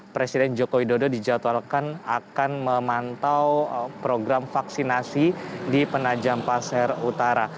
presiden joko widodo dijadwalkan akan memantau program vaksinasi di penajam pasir utara